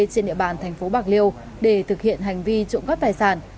trên địa bàn thành phố bạc liêu để thực hiện hành vi trộm cắp tài sản